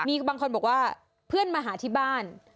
มีบางคนบอกว่าเพื่อนมาหาที่บ้าน